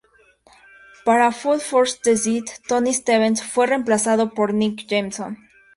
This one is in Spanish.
Para "Fool for the City" Tony Stevens fue reemplazado por Nick Jameson.